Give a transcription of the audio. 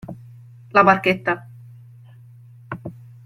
La barchetta?